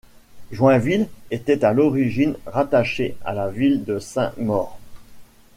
Joinville était à l'origine rattachée à la ville de Saint-Maur.